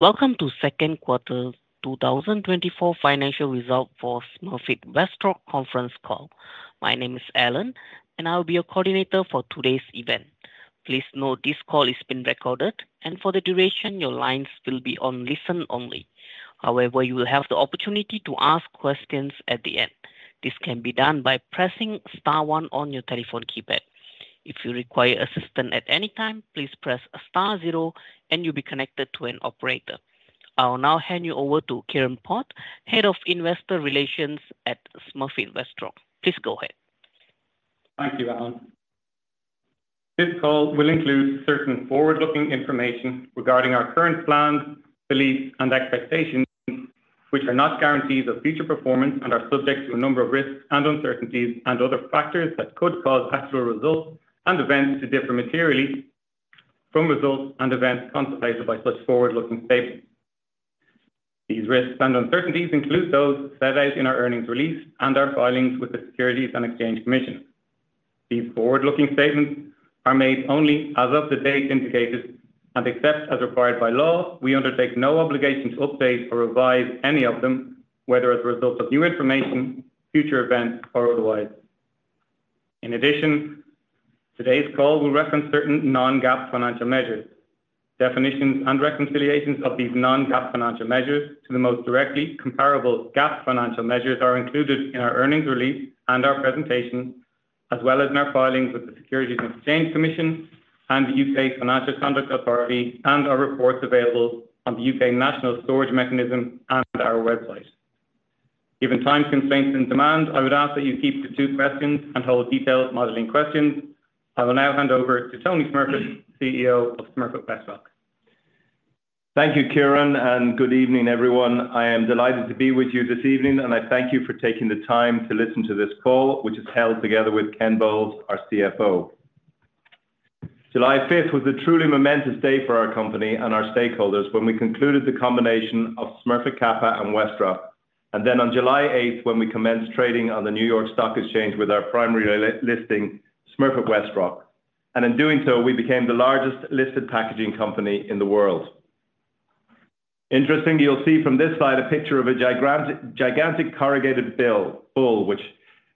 Welcome to Second Quarter 2024 Financial Result for Smurfit Westrock Conference Call. My name is Alan, and I'll be your coordinator for today's event. Please note this call is being recorded, and for the duration, your lines will be on listen-only. However, you will have the opportunity to ask questions at the end. This can be done by pressing star one on your telephone keypad. If you require assistance at any time, please press star zero, and you'll be connected to an operator. I will now hand you over to Ciaran Potts, Head of Investor Relations at Smurfit Westrock. Please go ahead. Thank you, Alan. This call will include certain forward-looking information regarding our current plans, beliefs, and expectations, which are not guarantees of future performance and are subject to a number of risks and uncertainties and other factors that could cause actual results and events to differ materially from results and events contemplated by such forward-looking statements. These risks and uncertainties include those set out in our earnings release and our filings with the Securities and Exchange Commission. These forward-looking statements are made only as of the date indicated, and except as required by law, we undertake no obligation to update or revise any of them, whether as a result of new information, future events, or otherwise. In addition, today's call will reference certain non-GAAP financial measures. Definitions and reconciliations of these non-GAAP financial measures to the most directly comparable GAAP financial measures are included in our earnings release and our presentation, as well as in our filings with the Securities and Exchange Commission and the UK Financial Conduct Authority, and our reports available on the UK National Storage Mechanism and our website. Given time constraints and demand, I would ask that you keep to two questions and hold detailed modeling questions. I will now hand over to Tony Smurfit, CEO of Smurfit Westrock. Thank you, Ciaran, and good evening, everyone. I am delighted to be with you this evening, and I thank you for taking the time to listen to this call, which is held together with Ken Bowles, our CFO. July fifth was a truly momentous day for our company and our stakeholders when we concluded the combination of Smurfit Kappa and WestRock, and then on July eighth, when we commenced trading on the New York Stock Exchange with our primary listing, Smurfit Westrock. And in doing so, we became the largest listed packaging company in the world. Interestingly, you'll see from this slide a picture of a gigantic corrugated bull, which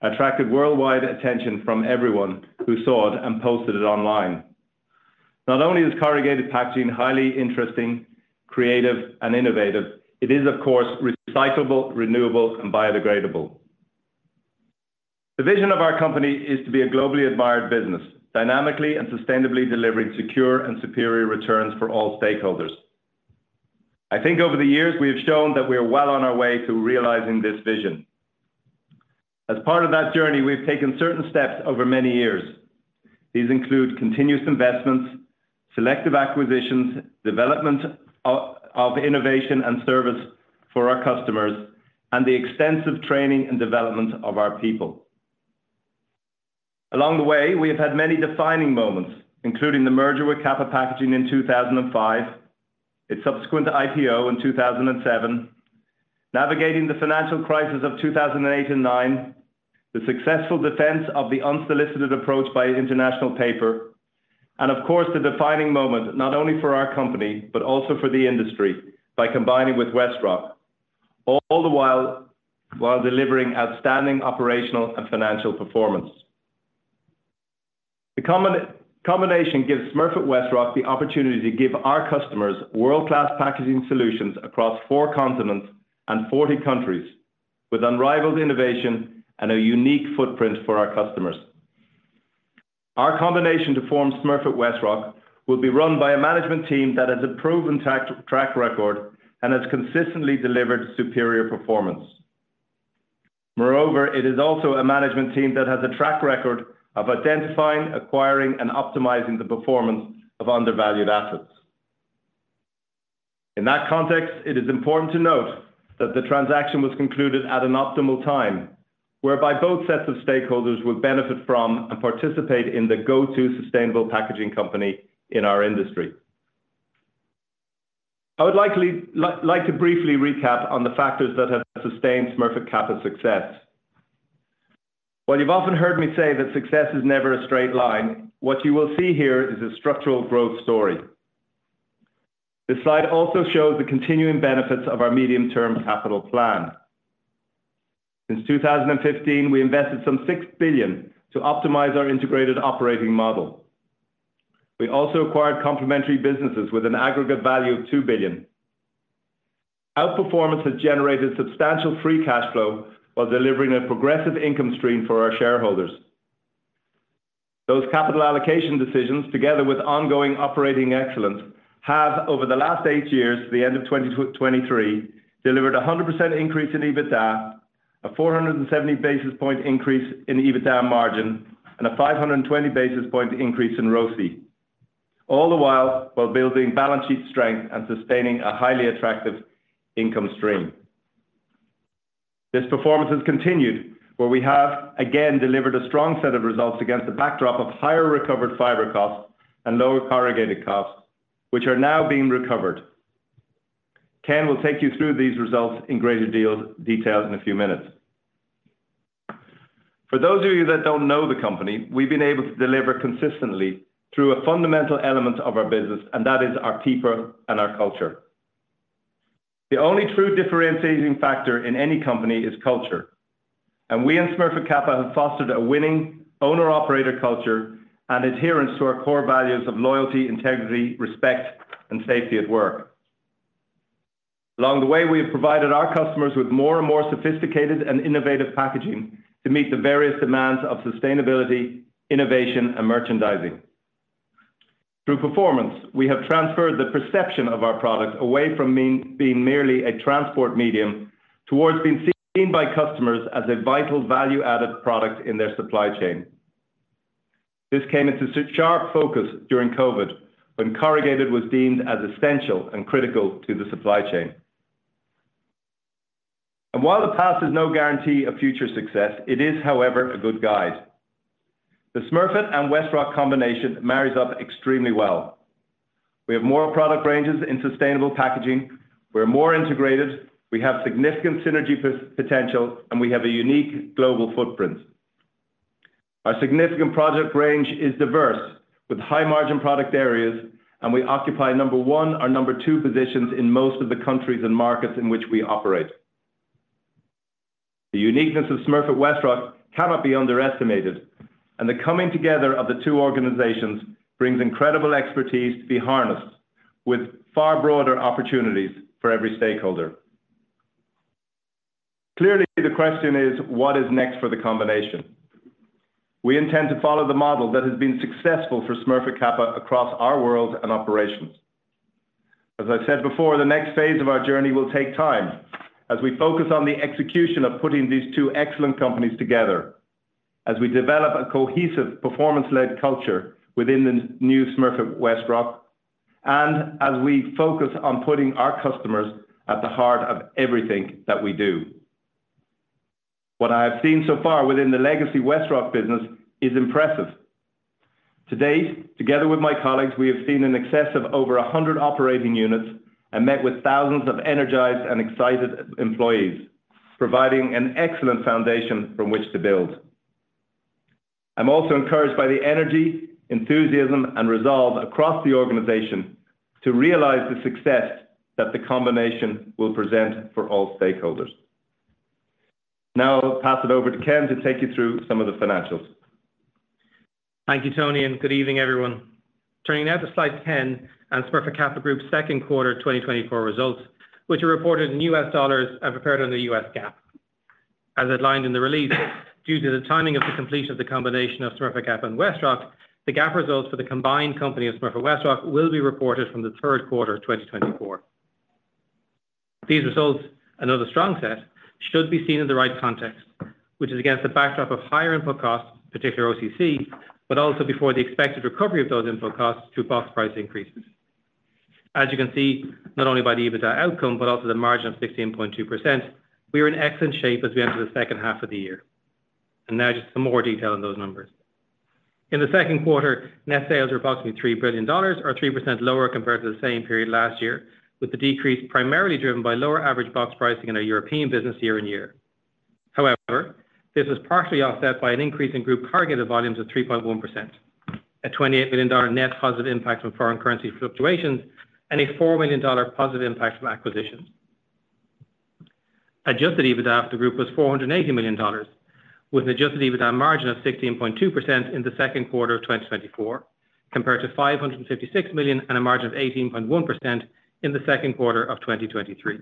attracted worldwide attention from everyone who saw it and posted it online. Not only is corrugated packaging highly interesting, creative, and innovative, it is, of course, recyclable, renewable, and biodegradable. The vision of our company is to be a globally admired business, dynamically and sustainably delivering secure and superior returns for all stakeholders. I think over the years, we have shown that we are well on our way to realizing this vision. As part of that journey, we've taken certain steps over many years. These include continuous investments, selective acquisitions, development of innovation and service for our customers, and the extensive training and development of our people. Along the way, we have had many defining moments, including the merger with Kappa Packaging in 2005, its subsequent IPO in 2007, navigating the financial crisis of 2008 and 2009, the successful defense of the unsolicited approach by International Paper, and of course, the defining moment, not only for our company, but also for the industry, by combining with WestRock, all the while, while delivering outstanding operational and financial performance. The combination gives Smurfit Westrock the opportunity to give our customers world-class packaging solutions across four continents and 40 countries with unrivaled innovation and a unique footprint for our customers. Our combination to form Smurfit Westrock will be run by a management team that has a proven track record and has consistently delivered superior performance. Moreover, it is also a management team that has a track record of identifying, acquiring, and optimizing the performance of undervalued assets. In that context, it is important to note that the transaction was concluded at an optimal time, whereby both sets of stakeholders will benefit from and participate in the go-to sustainable packaging company in our industry. I would like to briefly recap on the factors that have sustained Smurfit Kappa's success. While you've often heard me say that success is never a straight line, what you will see here is a structural growth story. This slide also shows the continuing benefits of our medium-term capital plan. Since 2015, we invested some 6 billion to optimize our integrated operating model. We also acquired complementary businesses with an aggregate value of 2 billion. Outperformance has generated substantial free cash flow while delivering a progressive income stream for our shareholders. Those capital allocation decisions, together with ongoing operating excellence, have, over the last eight years, the end of 2023, delivered a 100% increase in EBITDA, a 470 basis point increase in EBITDA margin, and a 520 basis point increase in ROCE, all the while, while building balance sheet strength and sustaining a highly attractive income stream. This performance has continued, where we have, again, delivered a strong set of results against the backdrop of higher recovered fiber costs and lower corrugated costs, which are now being recovered. Ken will take you through these results in greater detail in a few minutes. For those of you that don't know the company, we've been able to deliver consistently through a fundamental element of our business, and that is our people and our culture. The only true differentiating factor in any company is culture, and we in Smurfit Kappa have fostered a winning owner-operator culture and adherence to our core values of loyalty, integrity, respect, and safety at work. Along the way, we have provided our customers with more and more sophisticated and innovative packaging to meet the various demands of sustainability, innovation, and merchandising. Through performance, we have transferred the perception of our product away from merely being a transport medium, towards being seen by customers as a vital value-added product in their supply chain. This came into sharp focus during COVID, when corrugated was deemed as essential and critical to the supply chain. And while the past is no guarantee of future success, it is, however, a good guide. The Smurfit and WestRock combination marries up extremely well. We have more product ranges in sustainable packaging, we're more integrated, we have significant synergy potential, and we have a unique global footprint. Our significant product range is diverse, with high-margin product areas, and we occupy number 1 or number 2 positions in most of the countries and markets in which we operate. The uniqueness of Smurfit Westrock cannot be underestimated, and the coming together of the two organizations brings incredible expertise to be harnessed, with far broader opportunities for every stakeholder. Clearly, the question is: What is next for the combination? We intend to follow the model that has been successful for Smurfit Kappa across our world and operations. As I said before, the next phase of our journey will take time as we focus on the execution of putting these two excellent companies together, as we develop a cohesive, performance-led culture within the new Smurfit Westrock, and as we focus on putting our customers at the heart of everything that we do. What I have seen so far within the legacy WestRock business is impressive. Today, together with my colleagues, we have seen in excess of over 100 operating units and met with thousands of energized and excited employees, providing an excellent foundation from which to build. I'm also encouraged by the energy, enthusiasm, and resolve across the organization to realize the success that the combination will present for all stakeholders. Now I'll pass it over to Ken to take you through some of the financials. Thank you, Tony, and good evening, everyone. Turning now to slide 10 on Smurfit Kappa Group's second quarter 2024 results, which are reported in US dollars and prepared under the U.S. GAAP. As outlined in the release, due to the timing of the completion of the combination of Smurfit Kappa and WestRock, the GAAP results for the combined company of Smurfit Westrock will be reported from the third quarter of 2024. These results, another strong set, should be seen in the right context, which is against the backdrop of higher input costs, particularly OCC, but also before the expected recovery of those input costs through box price increases. As you can see, not only by the EBITDA outcome, but also the margin of 16.2%, we are in excellent shape as we enter the second half of the year. And now just some more detail on those numbers. In the second quarter, net sales were approximately $3 billion, or 3% lower compared to the same period last year, with the decrease primarily driven by lower average box pricing in our European business year-over-year. However, this was partially offset by an increase in group corrugated volumes of 3.1%, a $28 million net positive impact from foreign currency fluctuations, and a $4 million positive impact from acquisitions. Adjusted EBITDA for the group was $480 million, with an adjusted EBITDA margin of 16.2% in the second quarter of 2024, compared to $556 million and a margin of 18.1% in the second quarter of 2023.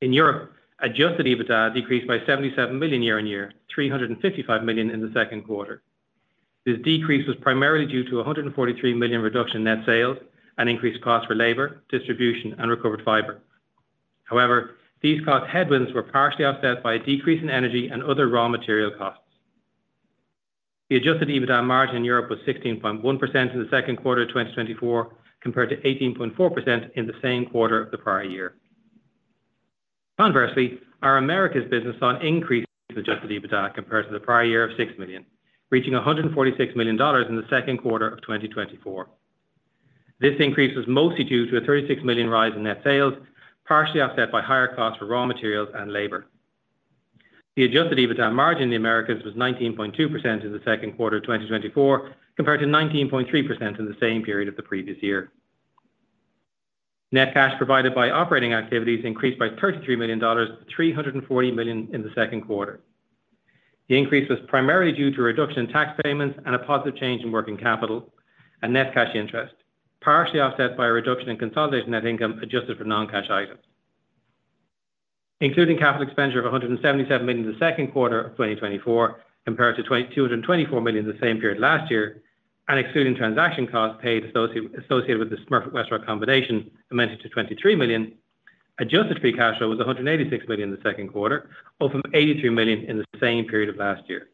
In Europe, adjusted EBITDA decreased by $77 million year-over-year, $355 million in the second quarter. This decrease was primarily due to a $143 million reduction in net sales and increased costs for labor, distribution, and recovered fiber. However, these cost headwinds were partially offset by a decrease in energy and other raw material costs. The Adjusted EBITDA margin in Europe was 16.1% in the second quarter of 2024, compared to 18.4% in the same quarter of the prior year. Conversely, our Americas business saw an increase in Adjusted EBITDA compared to the prior year of $6 million, reaching $146 million in the second quarter of 2024. This increase was mostly due to a $36 million rise in net sales, partially offset by higher costs for raw materials and labor. The adjusted EBITDA margin in the Americas was 19.2% in the second quarter of 2024, compared to 19.3% in the same period of the previous year. Net cash provided by operating activities increased by $33 million, to $340 million in the second quarter. The increase was primarily due to a reduction in tax payments and a positive change in working capital and net cash interest, partially offset by a reduction in consolidated net income adjusted for non-cash items. Including capital expenditure of $177 million in the second quarter of 2024, compared to $224 million in the same period last year, and excluding transaction costs paid associated with the Smurfit Westrock combination, amounted to $23 million. Adjusted free cash flow was $186 million in the second quarter, up from $83 million in the same period of last year.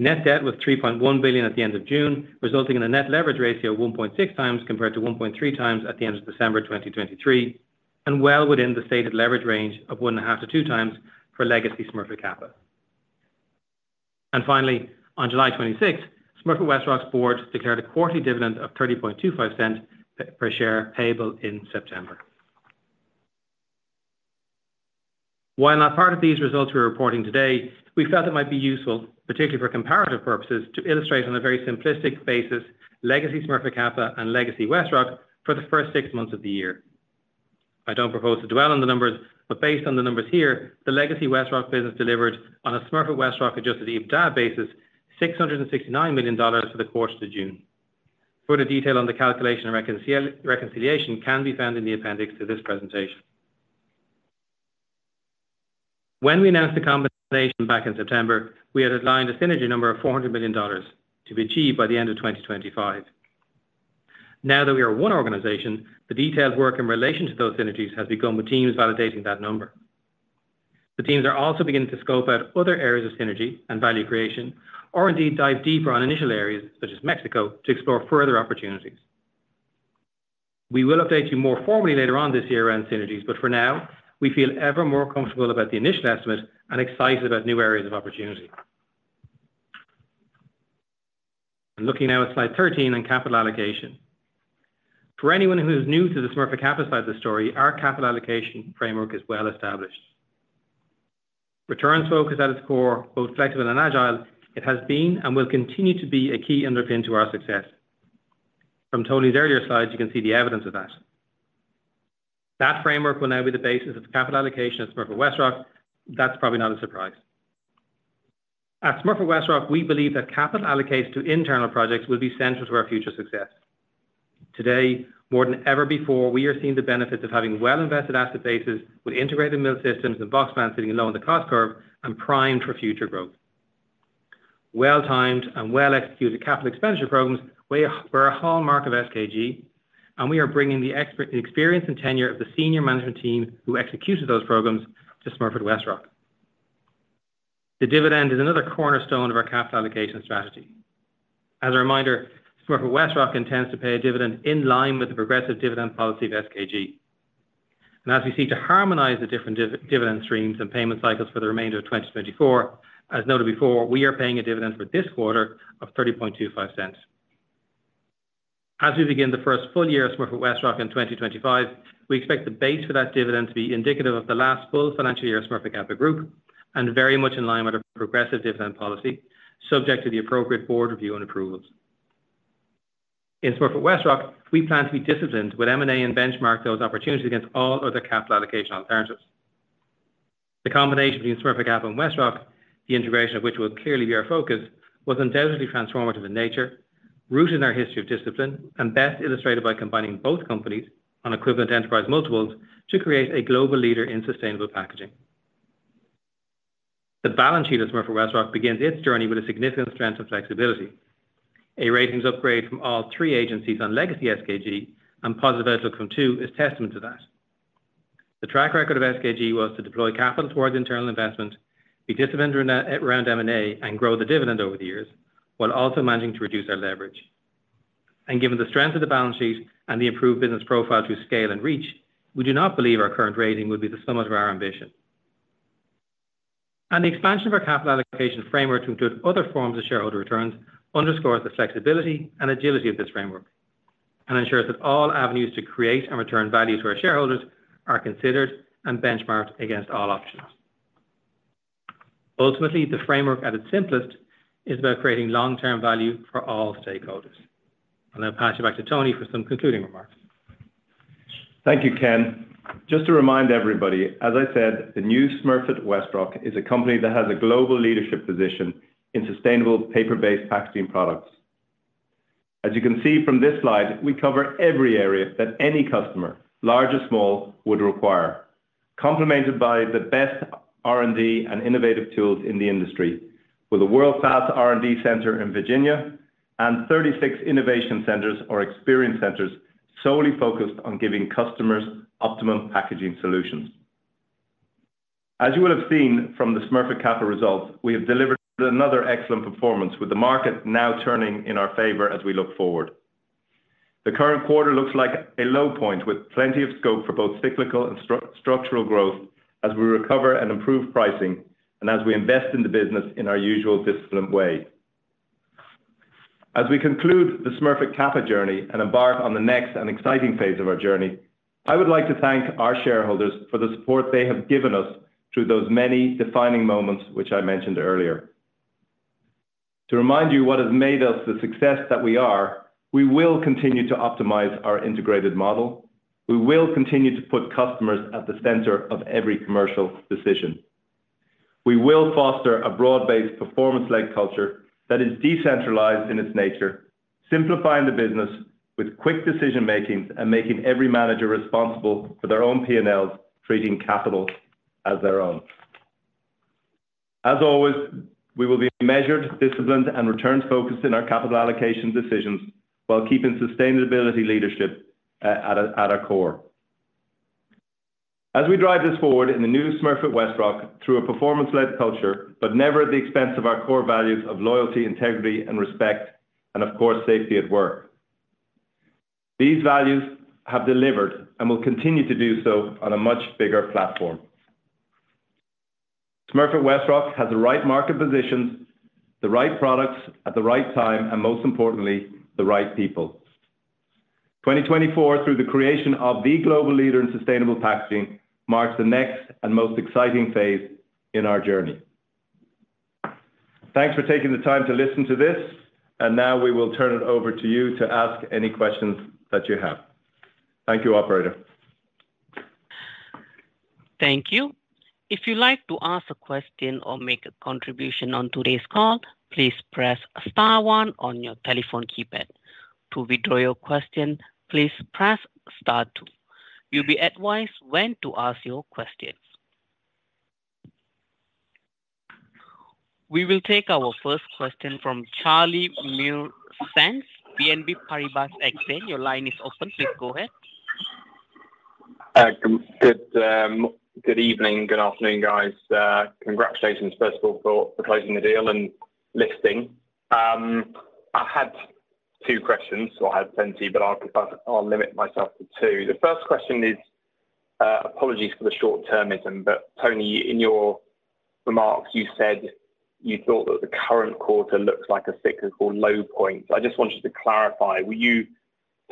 Net debt was $3.1 billion at the end of June, resulting in a net leverage ratio of 1.6 times, compared to 1.3 times at the end of December 2023, and well within the stated leverage range of 1.5-2 times for legacy Smurfit Kappa. Finally, on July 26th, Smurfit Westrock's board declared a quarterly dividend of $0.3025 per share, payable in September. While not part of these results we're reporting today, we felt it might be useful, particularly for comparative purposes, to illustrate on a very simplistic basis, legacy Smurfit Kappa and legacy WestRock for the first six months of the year. I don't propose to dwell on the numbers, but based on the numbers here, the legacy WestRock business delivered on a Smurfit Westrock Adjusted EBITDA basis, $669 million for the quarter to June. Further detail on the calculation and reconciliation can be found in the appendix to this presentation. When we announced the combination back in September, we had outlined a synergy number of $400 million to be achieved by the end of 2025. Now that we are one organization, the detailed work in relation to those synergies has begun, with teams validating that number. The teams are also beginning to scope out other areas of synergy and value creation, or indeed dive deeper on initial areas such as Mexico, to explore further opportunities. We will update you more formally later on this year around synergies, but for now, we feel ever more comfortable about the initial estimate and excited about new areas of opportunity. I'm looking now at slide 13 on capital allocation. For anyone who's new to the Smurfit Kappa side of the story, our capital allocation framework is well established. Returns focus at its core, both flexible and agile, it has been and will continue to be a key underpin to our success. From Tony's earlier slides, you can see the evidence of that. That framework will now be the basis of capital allocation at Smurfit Westrock. That's probably not a surprise. At Smurfit Westrock, we believe that capital allocated to internal projects will be central to our future success. Today, more than ever before, we are seeing the benefits of having well-invested asset bases with integrated mill systems and box plants sitting low on the cost curve and primed for future growth. Well-timed and well-executed capital expenditure programs were a hallmark of SKG, and we are bringing the expertise, experience, and tenure of the senior management team who executed those programs to Smurfit Westrock. The dividend is another cornerstone of our capital allocation strategy. As a reminder, Smurfit Westrock intends to pay a dividend in line with the progressive dividend policy of SKG. As we seek to harmonize the different dividend streams and payment cycles for the remainder of 2024, as noted before, we are paying a dividend for this quarter of $0.3025. As we begin the first full year of Smurfit Westrock in 2025, we expect the base for that dividend to be indicative of the last full financial year of Smurfit Kappa Group, and very much in line with our progressive dividend policy, subject to the appropriate board review and approvals. In Smurfit Westrock, we plan to be disciplined with M&A and benchmark those opportunities against all other capital allocation alternatives. The combination between Smurfit Kappa and WestRock, the integration of which will clearly be our focus, was undoubtedly transformative in nature, rooted in our history of discipline, and best illustrated by combining both companies on equivalent enterprise multiples to create a global leader in sustainable packaging. The balance sheet of Smurfit Westrock begins its journey with a significant strength and flexibility. A ratings upgrade from all three agencies on legacy SKG and positive outcome, too, is testament to that. The track record of SKG was to deploy capital towards internal investment, be disciplined around M&A, and grow the dividend over the years, while also managing to reduce our leverage. Given the strength of the balance sheet and the improved business profile through scale and reach, we do not believe our current rating would be the summit of our ambition. The expansion of our capital allocation framework to include other forms of shareholder returns underscores the flexibility and agility of this framework, and ensures that all avenues to create and return value to our shareholders are considered and benchmarked against all options. Ultimately, the framework, at its simplest, is about creating long-term value for all stakeholders. I'll now pass you back to Tony for some concluding remarks. Thank you, Ken. Just to remind everybody, as I said, the new Smurfit Westrock is a company that has a global leadership position in sustainable paper-based packaging products. As you can see from this slide, we cover every area that any customer, large or small, would require, complemented by the best R&D and innovative tools in the industry, with a world-class R&D center in Virginia and 36 innovation centers or experience centers solely focused on giving customers optimum packaging solutions. As you will have seen from the Smurfit Kappa results, we have delivered another excellent performance, with the market now turning in our favor as we look forward. The current quarter looks like a low point, with plenty of scope for both cyclical and structural growth as we recover and improve pricing, and as we invest in the business in our usual disciplined way. As we conclude the Smurfit Kappa journey and embark on the next and exciting phase of our journey, I would like to thank our shareholders for the support they have given us through those many defining moments, which I mentioned earlier. To remind you what has made us the success that we are, we will continue to optimize our integrated model. We will continue to put customers at the center of every commercial decision. We will foster a broad-based, performance-led culture that is decentralized in its nature, simplifying the business with quick decision-making and making every manager responsible for their own P&Ls, treating capital as their own. As always, we will be measured, disciplined, and returns focused in our capital allocation decisions while keeping sustainability leadership at our core. As we drive this forward in the new Smurfit Westrock, through a performance-led culture, but never at the expense of our core values of loyalty, integrity, and respect, and of course, safety at work. These values have delivered and will continue to do so on a much bigger platform. Smurfit Westrock has the right market position, the right products at the right time, and most importantly, the right people. 2024, through the creation of the global leader in sustainable packaging, marks the next and most exciting phase in our journey. Thanks for taking the time to listen to this, and now we will turn it over to you to ask any questions that you have. Thank you, operator. Thank you. If you'd like to ask a question or make a contribution on today's call, please press star one on your telephone keypad. To withdraw your question, please press star two. You'll be advised when to ask your questions. We will take our first question from Charlie Muir-Sands, BNP Paribas Exane. Your line is open. Please go ahead. Good evening, good afternoon, guys. Congratulations, first of all, for closing the deal and listing. I had two questions. Well, I had plenty, but I'll limit myself to two. The first question is, apologies for the short-termism, but Tony, in your remarks, you said you thought that the current quarter looks like a cyclical low point. I just wanted you to clarify, were you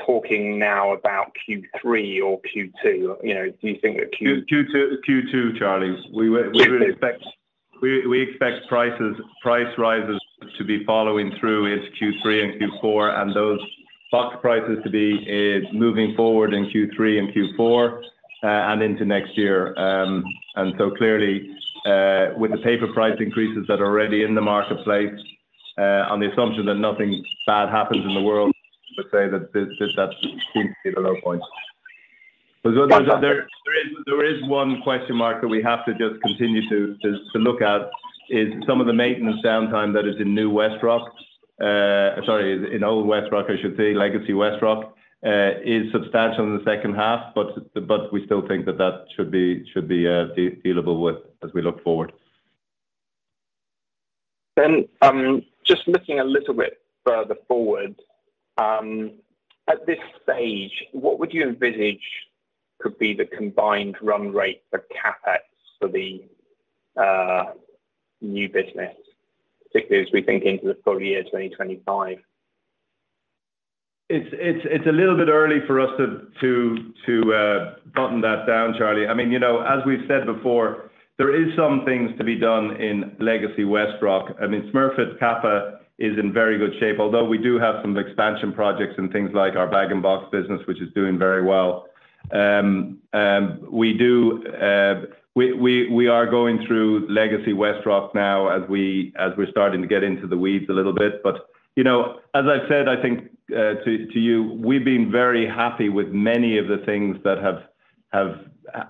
talking now about Q3 or Q2? You know, do you think that Q- Q2, Charlie. We Great. We expect prices, price rises to be following through into Q3 and Q4, and those box prices to be moving forward in Q3 and Q4, and into next year. And so clearly, with the paper price increases that are already in the marketplace, on the assumption that nothing bad happens in the world, let's say that that seems to be the low point. There is one question mark that we have to just continue to look at, is some of the maintenance downtime that is in New WestRock, sorry, in Old WestRock, I should say, Legacy WestRock, is substantial in the second half, but we still think that that should be dealable with as we look forward. Just looking a little bit further forward, at this stage, what would you envisage could be the combined run rate for CapEx for the new business, particularly as we think into the full year 2025? It's a little bit early for us to button that down, Charlie. I mean, you know, as we've said before, there is some things to be done in Legacy WestRock. I mean, Smurfit Kappa is in very good shape, although we do have some expansion projects and things like our Bag-in-Box business, which is doing very well. We do, we are going through Legacy WestRock now as we're starting to get into the weeds a little bit. But, you know, as I've said, I think, to you, we've been very happy with many of the things that have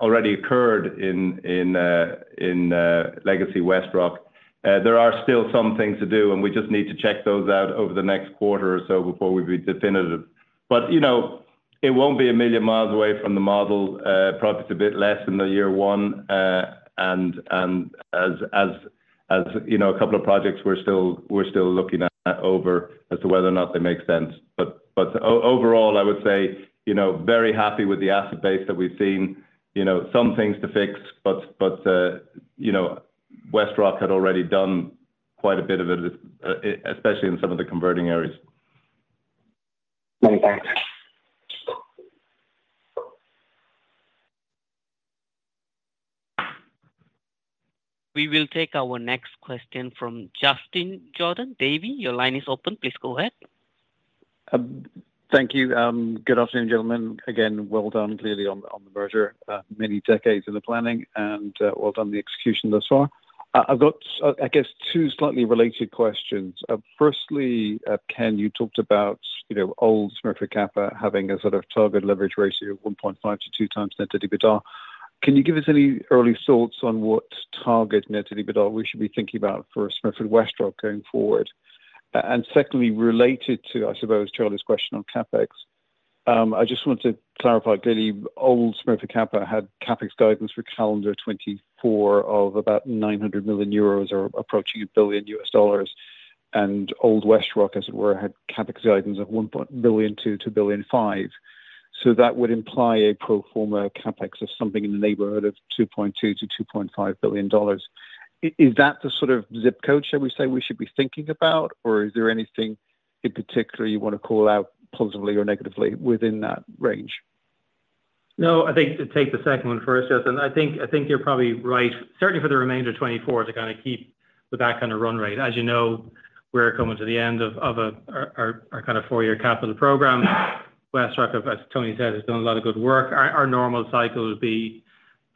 already occurred in Legacy WestRock. There are still some things to do, and we just need to check those out over the next quarter or so before we be definitive. But, you know, it won't be a million miles away from the model, probably it's a bit less in the year one. And as you know, a couple of projects we're still looking at as to whether or not they make sense. But overall, I would say, you know, very happy with the asset base that we've seen. You know, some things to fix, but, you know, WestRock had already done quite a bit of it, especially in some of the converting areas. Many thanks. We will take our next question from Justin Jordan. Davy, your line is open. Please go ahead. Thank you. Good afternoon, gentlemen. Again, well done, clearly, on the merger. Many decades in the planning and, well done the execution thus far. I've got, I guess, two slightly related questions. Firstly, Ken, you talked about, you know, old Smurfit Kappa having a sort of target leverage ratio of 1.5-2 times net EBITDA. Can you give us any early thoughts on what target net EBITDA we should be thinking about for Smurfit Westrock going forward? And secondly, related to, I suppose, Charlie's question on CapEx, I just want to clarify, clearly, old Smurfit Kappa had CapEx guidance for calendar 2024 of about 900 million euros or approaching $1 billion, and old WestRock, as it were, had CapEx guidance of $1 billion-$2.5 billion. So that would imply a pro forma CapEx of something in the neighborhood of $2.2 billion-$2.5 billion. Is that the sort of zip code, shall we say, we should be thinking about, or is there anything in particular you want to call out positively or negatively within that range? No, I think to take the second one first, Justin. I think, I think you're probably right, certainly for the remainder of 2024, to kind of keep with that kind of run rate. As you know, we're coming to the end of our 4-year capital program. WestRock, as Tony said, has done a lot of good work. Our normal cycle would be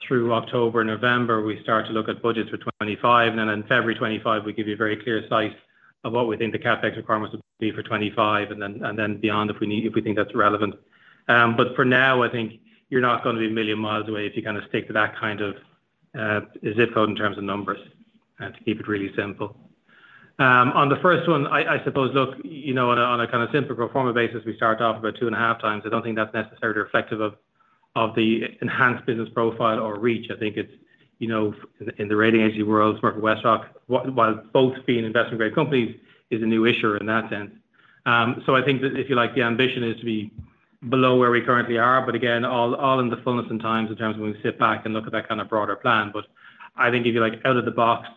through October, November, we start to look at budgets for 2025, and then in February 2025, we give you a very clear sight of what we think the CapEx requirements will be for 2025, and then, and then beyond, if we need, if we think that's relevant. But for now, I think you're not gonna be a million miles away if you kind of stick to that kind of zip code in terms of numbers to keep it really simple. On the first one, I suppose, look, you know, on a kind of simple pro forma basis, we start off about 2.5x. I don't think that's necessarily reflective of the enhanced business profile or reach. I think it's, you know, in the rating agency world, Smurfit Westrock, while both being investment grade companies, is a new issuer in that sense. So I think that if you like, the ambition is to be below where we currently are, but again, all in the fullness of time in terms of when we sit back and look at that kind of broader plan. But I think if you like, out of the box,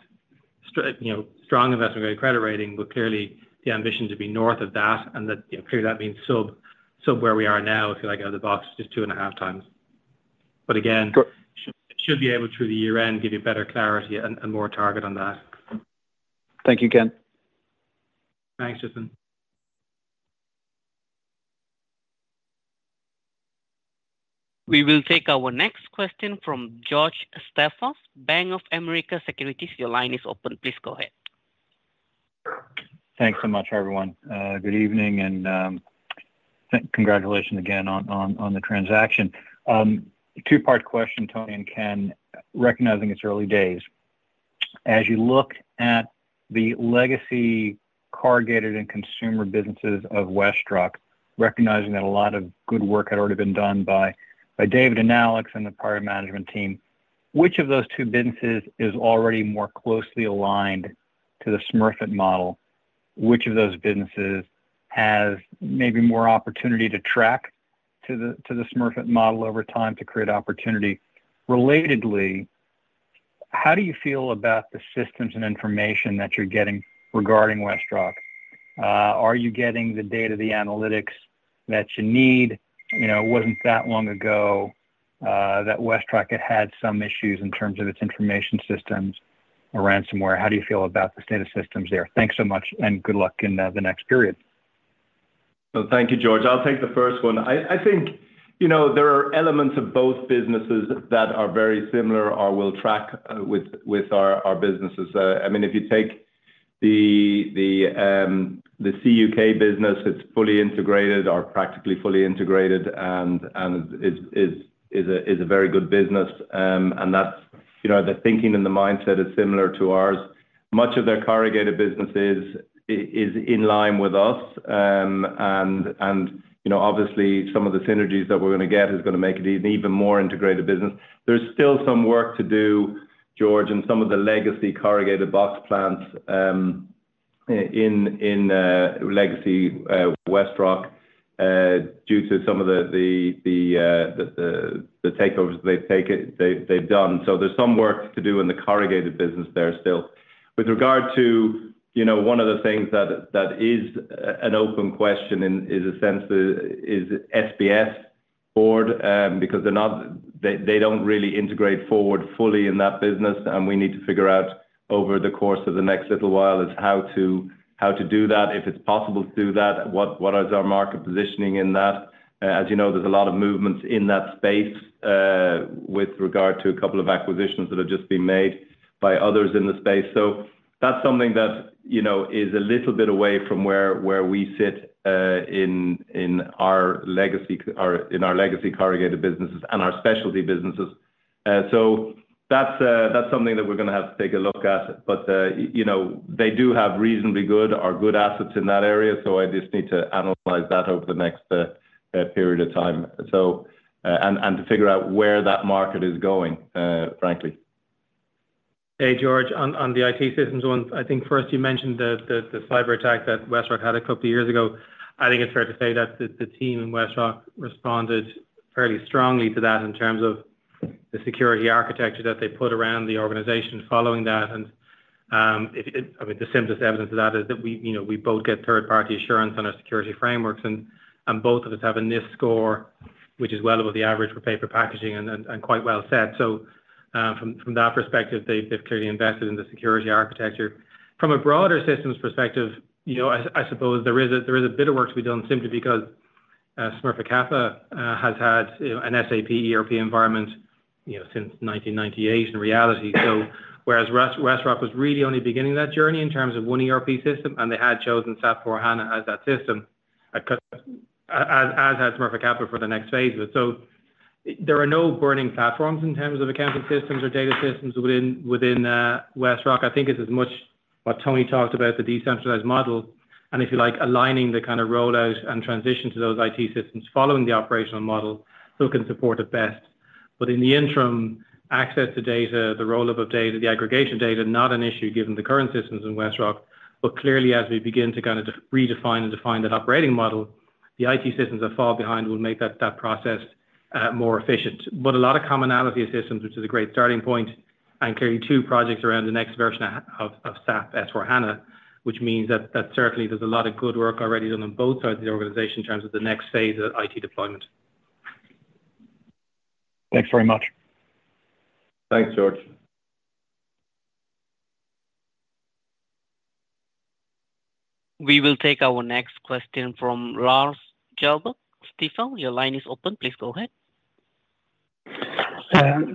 you know, strong investment grade credit rating, but clearly the ambition to be north of that and that, you know, clearly that means sub, sub where we are now, if you like, out of the box, just 2.5x. But again- Go- Should be able, through the year-end, give you better clarity and more target on that. Thank you, Ken. Thanks, Justin. We will take our next question from George Staphos. Bank of America Securities, your line is open. Please go ahead. Thanks so much, everyone. Good evening, and congratulations again on the transaction. Two-part question, Tony and Ken. Recognizing it's early days, as you look at the legacy corrugated and consumer businesses of WestRock, recognizing that a lot of good work had already been done by David and Alex and the prior management team, which of those two businesses is already more closely aligned to the Smurfit model? Which of those businesses has maybe more opportunity to track to the Smurfit model over time to create opportunity? Relatedly, how do you feel about the systems and information that you're getting regarding WestRock? Are you getting the data, the analytics that you need? You know, it wasn't that long ago that WestRock had had some issues in terms of its information systems around ransomware. How do you feel about the state of systems there? Thanks so much, and good luck in the next period. So thank you, George. I'll take the first one. I think, you know, there are elements of both businesses that are very similar or will track with our businesses. I mean, if you take the CUK business, it's fully integrated or practically fully integrated, and it's a very good business. And that's, you know, the thinking and the mindset is similar to ours. Much of their corrugated businesses is in line with us. And you know, obviously, some of the synergies that we're gonna get is gonna make it an even more integrated business. There's still some work to do, George, in some of the legacy corrugated box plants, in legacy WestRock, due to some of the takeovers they've taken, they've done. So there's some work to do in the corrugated business there still. With regard to, you know, one of the things that is an open question in a sense is SBS board, because they don't really integrate forward fully in that business, and we need to figure out over the course of the next little while how to do that, if it's possible to do that, what is our market positioning in that? As you know, there's a lot of movements in that space with regard to a couple of acquisitions that have just been made by others in the space. So that's something that, you know, is a little bit away from where we sit in our legacy corrugated businesses and our specialty businesses. So that's something that we're gonna have to take a look at. But you know, they do have reasonably good or good assets in that area, so I just need to analyze that over the next period of time. So, to figure out where that market is going, frankly. Hey, George, on the IT systems one, I think first you mentioned the cyberattack that WestRock had a couple of years ago. I think it's fair to say that the team in WestRock responded fairly strongly to that in terms of the security architecture that they put around the organization following that. And, I mean, the simplest evidence of that is that you know, we both get third-party assurance on our security frameworks, and both of us have a NIST score, which is well above the average for paper packaging and quite well set. So, from that perspective, they've clearly invested in the security architecture. From a broader systems perspective, you know, I suppose there is a bit of work to be done simply because Smurfit Kappa has had, you know, an SAP ERP environment, you know, since 1998 in reality. So whereas WestRock was really only beginning that journey in terms of one ERP system, and they had chosen SAP S/4HANA as that system, as had Smurfit Kappa for the next phases. So there are no burning platforms in terms of accounting systems or data systems within WestRock. I think it's as much what Tony talked about, the decentralized model, and if you like, aligning the kind of rollout and transition to those IT systems following the operational model so it can support it best. But in the interim, access to data, the roll-up of data, the aggregation data, not an issue given the current systems in WestRock. But clearly, as we begin to kind of redefine and define that operating model, the IT systems that fall behind will make that process more efficient. But a lot of commonality of systems, which is a great starting point, and clearly two projects around the next version of SAP S/4HANA, which means that certainly there's a lot of good work already done on both sides of the organization in terms of the next phase of IT deployment. Thanks very much. Thanks, George. We will take our next question from Lars Kjellberg. Stifel, your line is open. Please go ahead.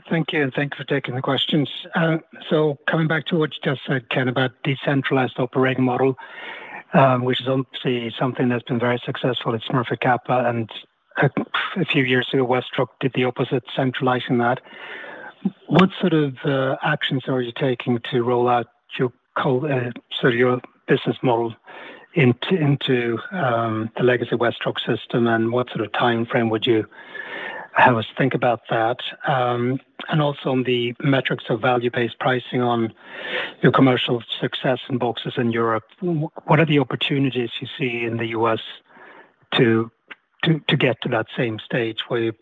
Thank you, and thank you for taking the questions. So coming back to what you just said, Ken, about decentralized operating model, which is obviously something that's been very successful at Smurfit Kappa, and a few years ago, WestRock did the opposite, centralizing that. What sort of actions are you taking to roll out sort of your business model into the legacy WestRock system? And what sort of timeframe would you have us think about that? And also on the metrics of value-based pricing on your commercial success in boxes in Europe, what are the opportunities you see in the U.S. to get to that same stage where you,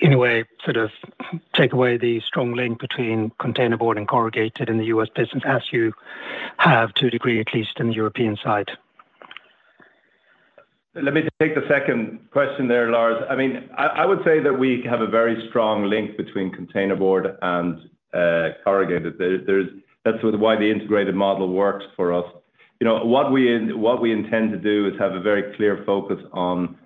in a way, sort of take away the strong link between containerboard and corrugated in the U.S. business, as you have, to a degree, at least in the European side? Let me take the second question there, Lars. I mean, I would say that we have a very strong link between containerboard and corrugated. There's. That's sort of why the integrated model works for us. You know, what we intend to do is have a very clear focus on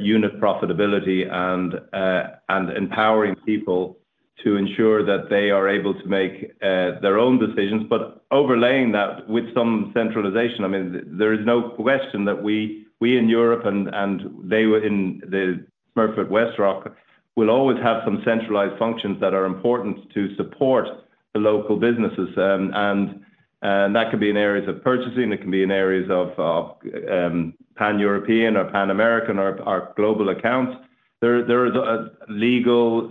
unit profitability and empowering people to ensure that they are able to make their own decisions, but overlaying that with some centralization. I mean, there is no question that we in Europe and they were in the Smurfit Westrock will always have some centralized functions that are important to support the local businesses. And that could be in areas of purchasing. It can be in areas of Pan-European or Pan-American or our global accounts. There is legal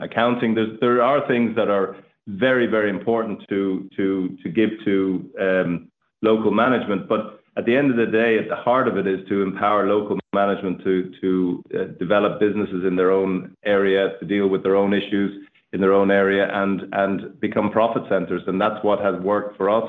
accounting. There are things that are very, very important to give to local management. But at the end of the day, at the heart of it, is to empower local management to develop businesses in their own area, to deal with their own issues in their own area and become profit centers, and that's what has worked for us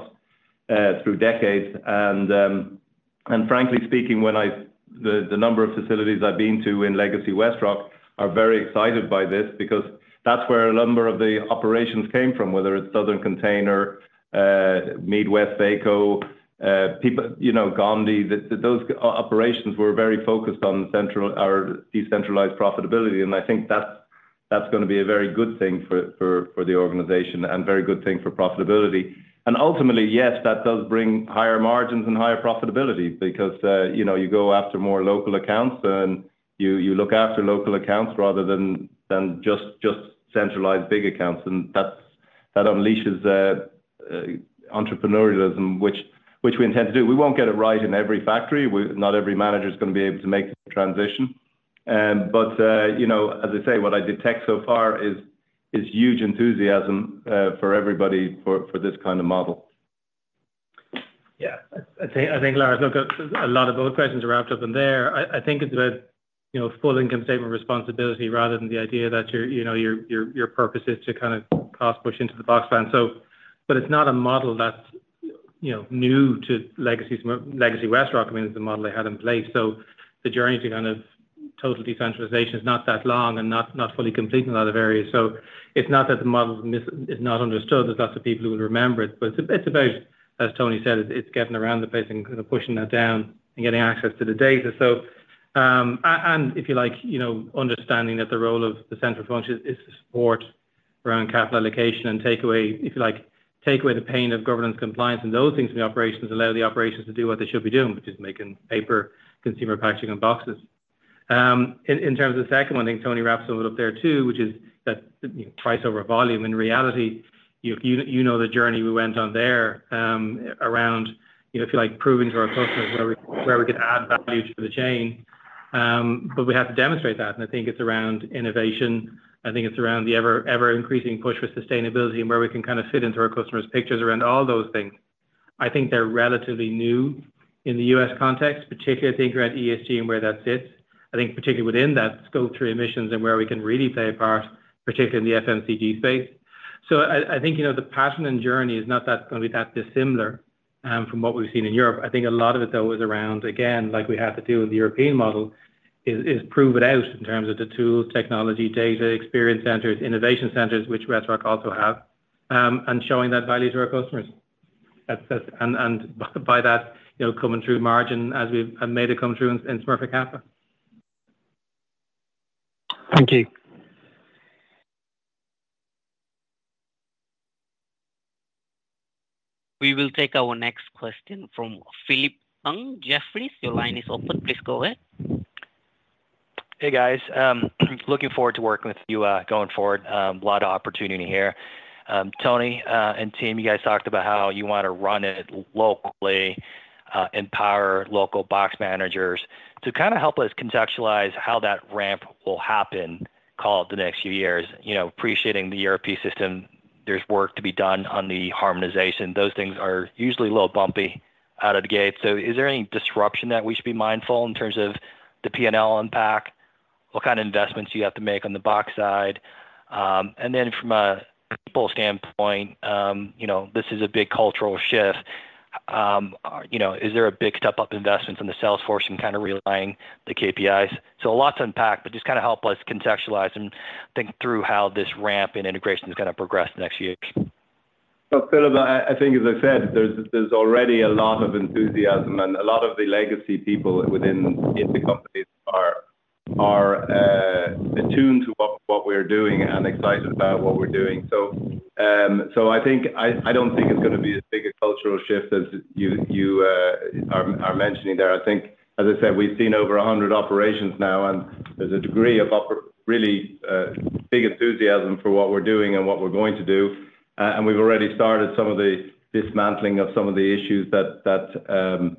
through decades. And frankly speaking, the number of facilities I've been to in legacy WestRock are very excited by this, because that's where a number of the operations came from, whether it's Southern Container, MeadWestvaco, people, you know, Grupo Gondi. Those operations were very focused on central or decentralized profitability, and I think that's gonna be a very good thing for the organization and very good thing for profitability. Ultimately, yes, that does bring higher margins and higher profitability because you know, you go after more local accounts and you look after local accounts rather than just centralized big accounts, and that unleashes entrepreneurialism, which we intend to do. We won't get it right in every factory, not every manager is gonna be able to make the transition. But you know, as I say, what I detect so far is huge enthusiasm for everybody for this kind of model. Yeah. I think, Lars, look, a lot of those questions are wrapped up in there. I think it's about, you know, full income statement responsibility rather than the idea that your, you know, your purpose is to kind of cost push into the box plan. But it's not a model that's, you know, new to legacy Smurfit, legacy Westrock. I mean, it's the model they had in place, so the journey to kind of total decentralization is not that long and not fully complete in a lot of areas. So it's not that the model is not understood, there's lots of people who will remember it, but it's about, as Tony said, getting around the place and kind of pushing that down and getting access to the data. So, if you like, you know, understanding that the role of the central function is to support around capital allocation and take away, if you like, take away the pain of governance compliance and those things in the operations, allow the operations to do what they should be doing, which is making paper, consumer packaging, and boxes. In terms of the second one, I think Tony wrapped a little up there, too, which is that, you know, price over volume. In reality, you know the journey we went on there, around, you know, if you like, proving to our customers where we could add value to the chain. But we have to demonstrate that, and I think it's around innovation. I think it's around the ever-increasing push for sustainability and where we can kind of fit into our customers' pictures around all those things. I think they're relatively new in the US context, particularly I think around ESG and where that sits. I think particularly within that Scope 3 emissions and where we can really play a part, particularly in the FMCG space. So I think, you know, the passion and journey is not that gonna be that dissimilar from what we've seen in Europe. I think a lot of it, though, is around, again, like we had to do with the European model, is prove it out in terms of the tools, technology, data, experience centers, innovation centers, which WestRock also have, and showing that value to our customers. That's, that's... By that, you know, coming through margin as we've made it come through in Smurfit Kappa. Thank you. We will take our next question from Philip Ng. Jefferies, your line is open. Please go ahead. Hey, guys. Looking forward to working with you, going forward. A lot of opportunity here. Tony, and team, you guys talked about how you want to run it locally, empower local box managers. To kind of help us contextualize how that ramp will happen, call it the next few years, you know, appreciating the European system, there's work to be done on the harmonization. Those things are usually a little bumpy out of the gate. So is there any disruption that we should be mindful in terms of the P&L unpack? What kind of investments do you have to make on the box side? And then from a people standpoint, you know, this is a big cultural shift. You know, is there a big step-up investment from the sales force in kind of realigning the KPIs? A lot to unpack, but just kind of help us contextualize and think through how this ramp and integration is gonna progress the next few years. Well, Philip, I think, as I said, there's already a lot of enthusiasm and a lot of the legacy people within the companies are attuned to what we're doing and excited about what we're doing. So, I think, I don't think it's gonna be as big a cultural shift as you are mentioning there. I think, as I said, we've seen over 100 operations now, and there's a degree of really big enthusiasm for what we're doing and what we're going to do. And we've already started some of the dismantling of some of the issues that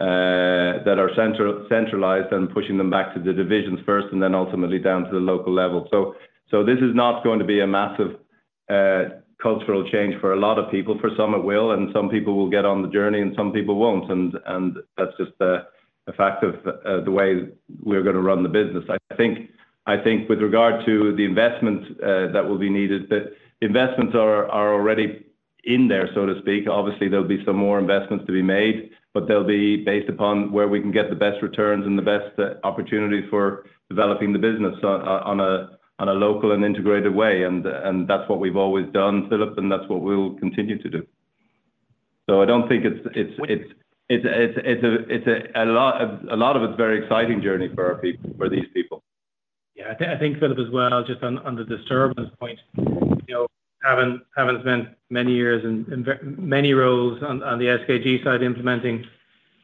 are centralized, and pushing them back to the divisions first, and then ultimately down to the local level. So, so this is not going to be a massive, cultural change for a lot of people. For some it will, and some people will get on the journey, and some people won't. And, and that's just, a fact of, the way we're gonna run the business. I think, I think with regard to the investment, that will be needed, the investments are, are already in there, so to speak. Obviously, there'll be some more investments to be made, but they'll be based upon where we can get the best returns and the best, opportunities for developing the business on, on a, on a local and integrated way. And, and that's what we've always done, Philip, and that's what we'll continue to do. So I don't think it's a lot of... A lot of it is a very exciting journey for our people, for these people. Yeah. I think, Philip, as well, just on the disturbance point, you know, having spent many years in many roles on the SKG side, implementing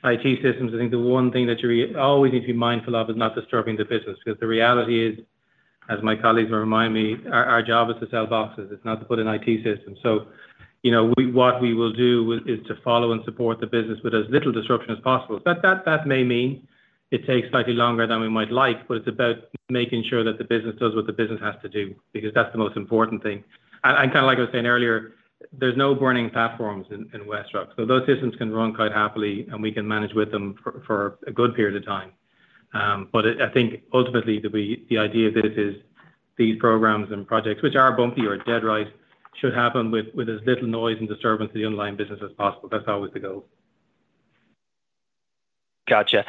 IT systems, I think the one thing that you always need to be mindful of is not disturbing the business. Because the reality is, as my colleagues will remind me, our job is to sell boxes. It's not to put an IT system. So, you know, what we will do is to follow and support the business with as little disruption as possible. But that may mean it takes slightly longer than we might like, but it's about making sure that the business does what the business has to do, because that's the most important thing. And kind of like I was saying earlier, there's no burning platforms in WestRock. So those systems can run quite happily, and we can manage with them for a good period of time. But I think ultimately, the idea is that these programs and projects, which are bumpy or dead, right, should happen with as little noise and disturbance to the underlying business as possible. That's always the goal. Gotcha.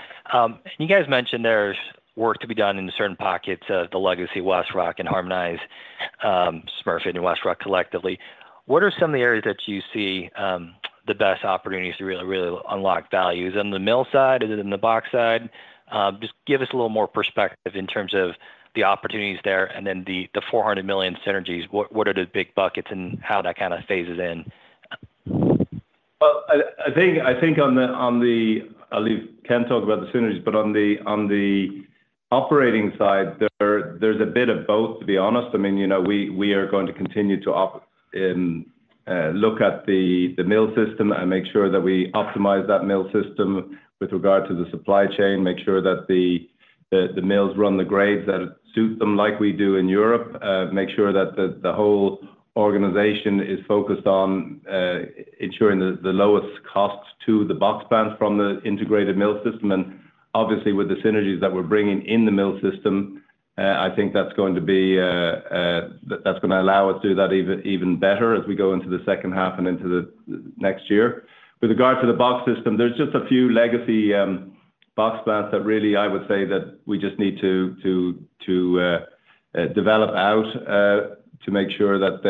You guys mentioned there's work to be done in certain pockets of the legacy WestRock and harmonize Smurfit and WestRock collectively. What are some of the areas that you see the best opportunities to really, really unlock values? On the mill side, is it in the box side? Just give us a little more perspective in terms of the opportunities there, and then the $400 million synergies. What are the big buckets and how that kind of phases in? Well, I think on the... I'll leave Ken talk about the synergies, but on the operating side, there's a bit of both, to be honest. I mean, you know, we are going to continue to look at the mill system and make sure that we optimize that mill system with regard to the supply chain, make sure that the mills run the grades that suit them like we do in Europe. Make sure that the whole organization is focused on ensuring the lowest costs to the box plants from the integrated mill system. Obviously, with the synergies that we're bringing in the mill system, I think that's going to be, that's gonna allow us to do that even better as we go into the second half and into the next year. With regard to the box system, there's just a few legacy box plants that really, I would say that we just need to develop out to make sure that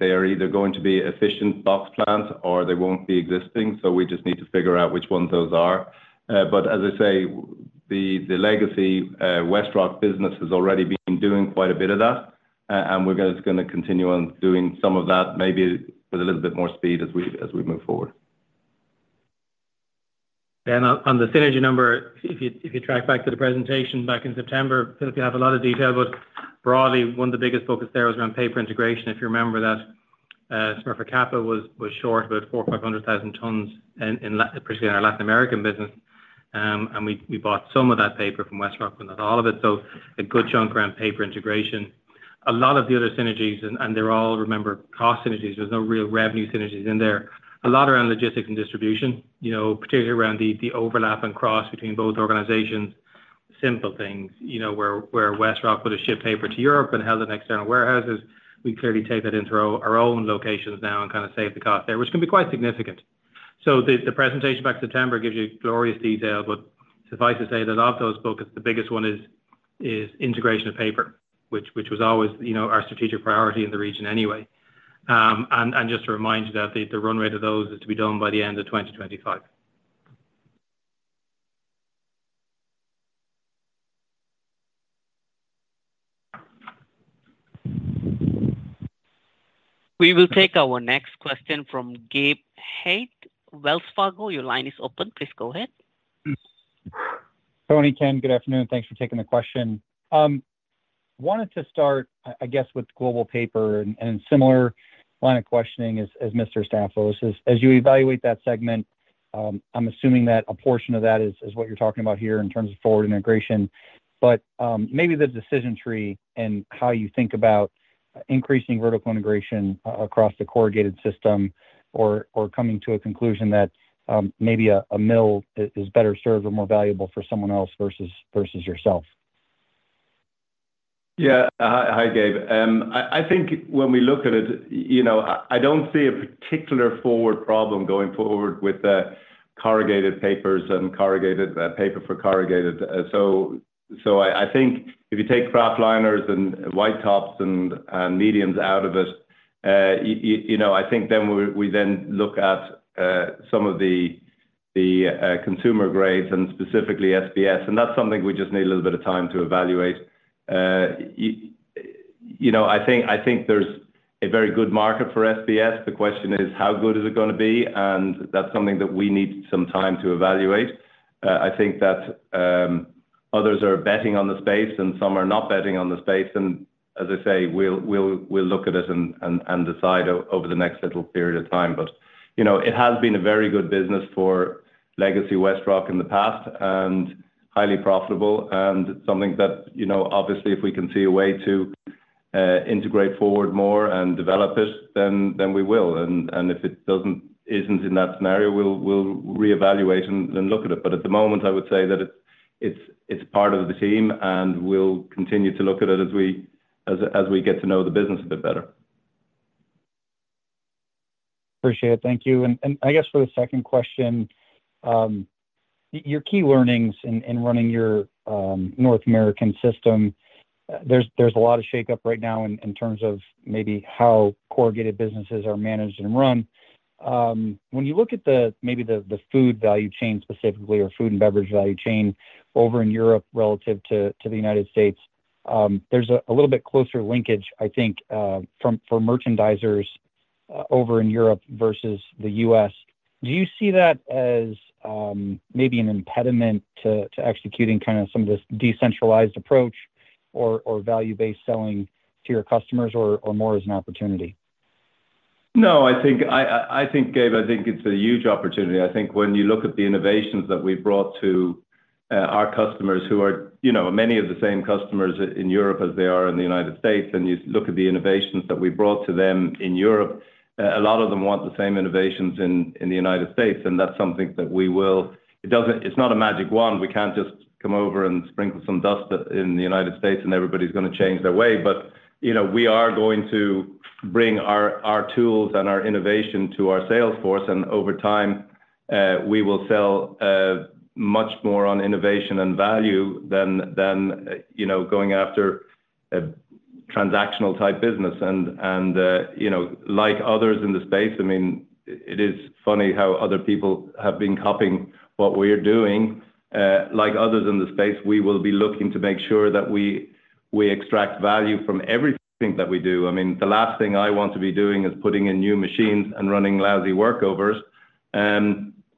they are either going to be efficient box plants or they won't be existing. So we just need to figure out which ones those are. But as I say, the legacy WestRock business has already been doing quite a bit of that, and we're gonna continue on doing some of that, maybe with a little bit more speed as we move forward. On the synergy number, if you track back to the presentation back in September, Philip, you have a lot of detail, but broadly, one of the biggest focus there was around paper integration. If you remember that, Smurfit Kappa was short about 400,000 or 500,000 tons, particularly in our Latin American business. And we bought some of that paper from WestRock, but not all of it. So a good chunk around paper integration. A lot of the other synergies, and they're all, remember, cost synergies. There's no real revenue synergies in there. A lot around logistics and distribution, you know, particularly around the overlap and cross between both organizations. Simple things, you know, where WestRock would have shipped paper to Europe and held it in external warehouses. We clearly take that into our own locations now and kind of save the cost there, which can be quite significant. So the presentation back in September gives you glorious detail, but suffice to say that of those focus, the biggest one is integration of paper, which was always, you know, our strategic priority in the region anyway. And just to remind you that the run rate of those is to be done by the end of 2025. We will take our next question from Gabe Hajde, Wells Fargo. Your line is open. Please go ahead. Tony, Ken, good afternoon. Thanks for taking the question. Wanted to start, I guess, with global paper and similar line of questioning as Mr. Staphos is. As you evaluate that segment, I'm assuming that a portion of that is what you're talking about here in terms of forward integration. But, maybe the decision tree and how you think about increasing vertical integration across the corrugated system or coming to a conclusion that, maybe a mill is better served or more valuable for someone else versus yourself. Yeah. Hi, Gabe. I think when we look at it, you know, I don't see a particular forward problem going forward with the corrugated papers and corrugated paper for corrugated. So, I think if you take kraft liners and white tops and mediums out of it, you know, I think then we then look at some of the consumer grades and specifically SBS, and that's something we just need a little bit of time to evaluate. You know, I think there's a very good market for SBS. The question is, how good is it gonna be? And that's something that we need some time to evaluate. I think that others are betting on the space, and some are not betting on the space. And as I say, we'll look at it and decide over the next little period of time. But, you know, it has been a very good business for Legacy WestRock in the past, and highly profitable, and something that, you know, obviously, if we can see a way to integrate forward more and develop it, then we will. And if it isn't in that scenario, we'll reevaluate and look at it. But at the moment, I would say that it's part of the team, and we'll continue to look at it as we get to know the business a bit better. Appreciate it. Thank you. And I guess for the second question, your key learnings in running your North American system, there's a lot of shakeup right now in terms of maybe how corrugated businesses are managed and run. When you look at the food value chain, specifically, or food and beverage value chain over in Europe relative to the United States, there's a little bit closer linkage, I think, for merchandisers over in Europe versus the US. Do you see that as maybe an impediment to executing kind of some of this decentralized approach or value-based selling to your customers, or more as an opportunity? No, I think, Gabe, I think it's a huge opportunity. I think when you look at the innovations that we've brought to our customers who are, you know, many of the same customers in Europe as they are in the United States, and you look at the innovations that we brought to them in Europe, a lot of them want the same innovations in the United States, and that's something that we will. It doesn't. It's not a magic wand. We can't just come over and sprinkle some dust in the United States, and everybody's gonna change their way. But, you know, we are going to bring our tools and our innovation to our sales force, and over time, we will sell much more on innovation and value than, you know, going after a transactional type business. You know, like others in the space, I mean, it is funny how other people have been copying what we're doing. Like others in the space, we will be looking to make sure that we, we extract value from everything that we do. I mean, the last thing I want to be doing is putting in new machines and running lousy work orders,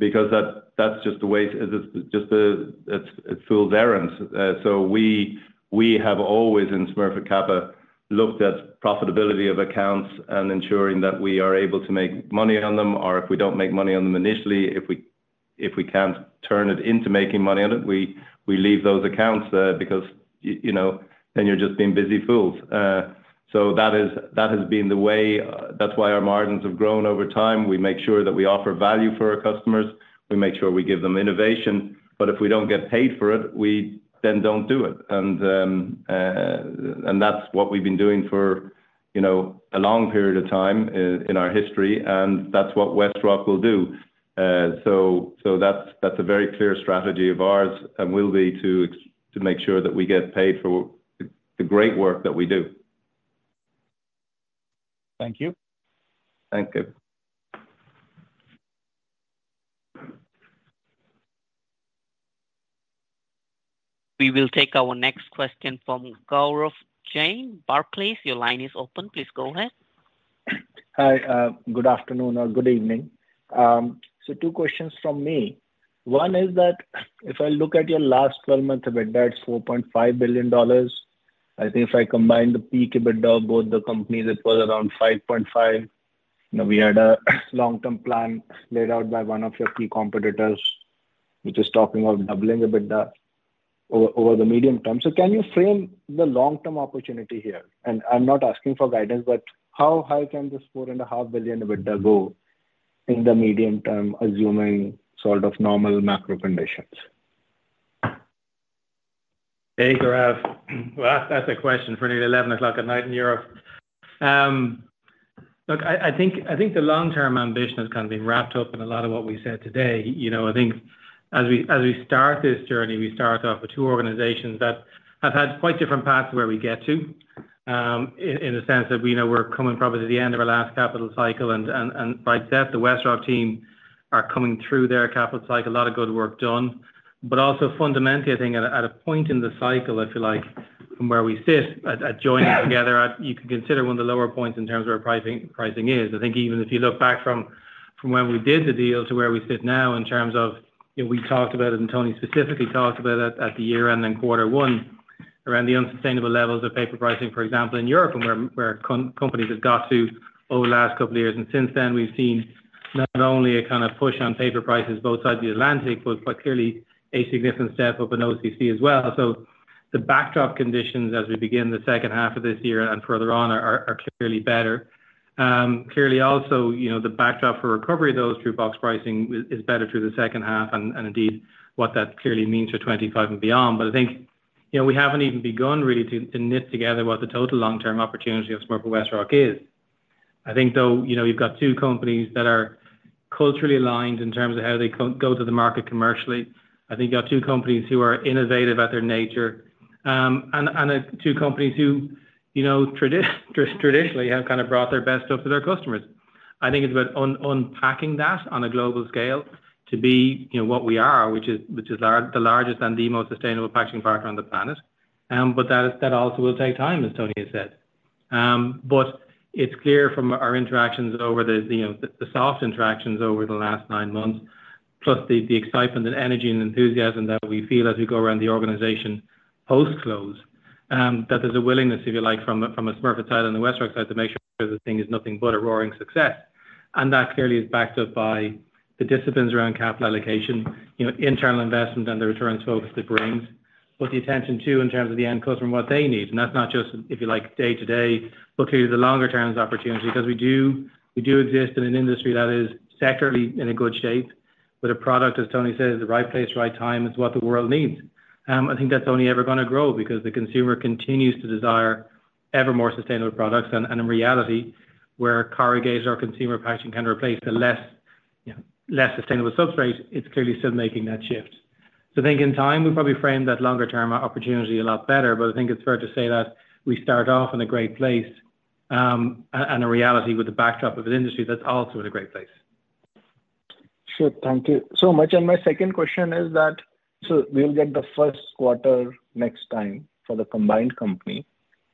because that, that's just a waste. It's just a—it's fools errands. So we, we have always in Smurfit Kappa, looked at profitability of accounts and ensuring that we are able to make money on them, or if we don't make money on them initially, if we, if we can't turn it into making money on it, we, we leave those accounts, because you know, then you're just being busy fools. So that is, that has been the way. That's why our margins have grown over time. We make sure that we offer value for our customers. We make sure we give them innovation, but if we don't get paid for it, we then don't do it. And that's what we've been doing for, you know, a long period of time in our history, and that's what WestRock will do. So that's a very clear strategy of ours and will be to make sure that we get paid for the great work that we do. Thank you. Thank you. We will take our next question from Gaurav Jain, Barclays. Your line is open. Please go ahead. Hi, good afternoon or good evening. So two questions from me. One is that if I look at your last 12-month EBITDA, it's $4.5 billion. I think if I combine the peak EBITDA of both the companies, it was around $5.5 billion. Now, we had a long-term plan laid out by one of your key competitors, which is talking about doubling EBITDA over the medium term. So can you frame the long-term opportunity here? And I'm not asking for guidance, but how high can this $4.5 billion EBITDA go in the medium term, assuming sort of normal macro conditions? Hey, Gaurav. Well, that's a question for nearly 11 o'clock at night in Europe. Look, I think the long-term ambition has kind of been wrapped up in a lot of what we said today. You know, I think as we start this journey, we start off with two organizations that have had quite different paths where we get to, in the sense that, we know we're coming probably to the end of our last capital cycle, and like that, the WestRock team are coming through their capital cycle. A lot of good work done. But also fundamentally, I think at a point in the cycle, if you like, from where we sit at joining together, you can consider one of the lower points in terms of where pricing is. I think even if you look back from when we did the deal to where we sit now in terms of, you know, we talked about it, and Tony specifically talked about it at the year-end and quarter one, around the unsustainable levels of paper pricing, for example, in Europe, and where companies have got to over the last couple of years. And since then, we've seen not only a kind of push on paper prices both sides of the Atlantic, but clearly a significant step up in OCC as well. So the backdrop conditions as we begin the second half of this year and further on are clearly better. Clearly also, you know, the backdrop for recovery of those through box pricing is better through the second half, and indeed, what that clearly means for 2025 and beyond. But I think, you know, we haven't even begun really to knit together what the total long-term opportunity of Smurfit Westrock is. I think, though, you know, you've got two companies that are culturally aligned in terms of how they go to the market commercially. I think you have two companies who are innovative by their nature.... and two companies who, you know, traditionally have kind of brought their best stuff to their customers. I think it's about unpacking that on a global scale to be, you know, what we are, which is the largest and the most sustainable packaging partner on the planet. But that is, that also will take time, as Tony has said. But it's clear from our interactions over the, you know, the soft interactions over the last nine months, plus the excitement and energy and enthusiasm that we feel as we go around the organization post-close, that there's a willingness, if you like, from a Smurfit side and the WestRock side, to make sure the thing is nothing but a roaring success. And that clearly is backed up by the disciplines around capital allocation, you know, internal investment and the returns focus it brings. But the attention, too, in terms of the end customer and what they need, and that's not just, if you like, day-to-day, but clearly the longer term is opportunity. 'Cause we do, we do exist in an industry that is sectorally in a good shape, with a product, as Tony said, is the right place, right time, it's what the world needs. I think that's only ever gonna grow because the consumer continues to desire ever more sustainable products. And in reality, where corrugated or consumer packaging can replace the less, you know, less sustainable substrate, it's clearly still making that shift. So I think in time, we'll probably frame that longer term opportunity a lot better, but I think it's fair to say that we start off in a great place, and a reality with the backdrop of an industry that's also in a great place. Sure. Thank you so much. My second question is that, so we'll get the first quarter next time for the combined company.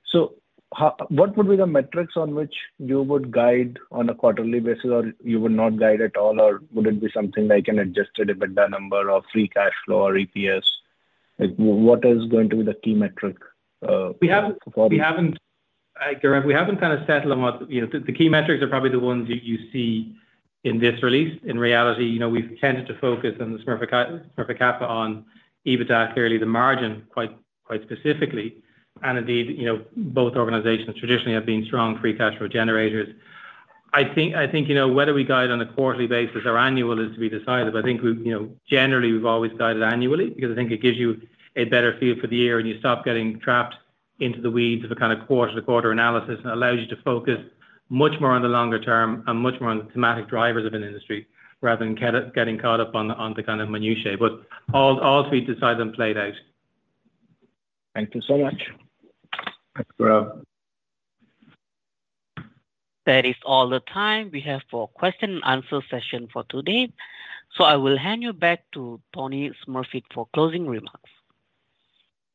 So how... What would be the metrics on which you would guide on a quarterly basis, or you would not guide at all? Or would it be something like an adjusted EBITDA number or free cash flow or EPS? Like, what is going to be the key metric, for- We haven't, Gaurav, we haven't kind of settled on what... You know, the key metrics are probably the ones you see in this release. In reality, you know, we've tended to focus on the Smurfit Kappa on EBITDA, clearly the margin, quite specifically. And indeed, you know, both organizations traditionally have been strong free cash flow generators. I think, you know, whether we guide on a quarterly basis or annual is to be decided, but I think we've, you know, generally we've always guided annually, because I think it gives you a better feel for the year, and you stop getting trapped into the weeds of a kind of quarter-to-quarter analysis, and allows you to focus much more on the longer term and much more on the thematic drivers of an industry, rather than getting caught up on the, on the kind of minutiae. But all to be decided and played out. Thank you so much. Thanks, Gaurav. That is all the time we have for question and answer session for today, so I will hand you back to Tony Smurfit for closing remarks.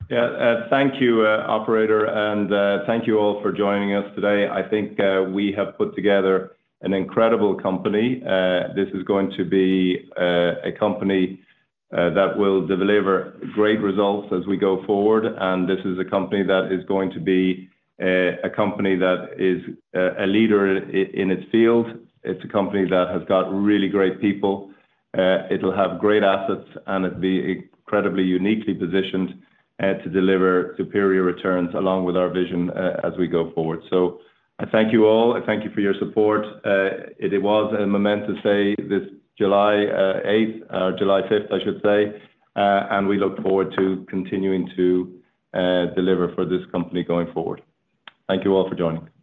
Yeah, thank you, operator, and thank you all for joining us today. I think we have put together an incredible company. This is going to be a company that will deliver great results as we go forward, and this is a company that is going to be a company that is a leader in its field. It's a company that has got really great people. It'll have great assets, and it'll be incredibly uniquely positioned to deliver superior returns, along with our vision as we go forward. So I thank you all. I thank you for your support. It was a momentous day, this July eighth, or July fifth, I should say, and we look forward to continuing to deliver for this company going forward. Thank you all for joining.